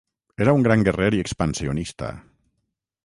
Era un gran guerrer i expansionista.